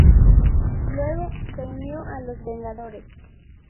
Luego, se unió a los Vengadores.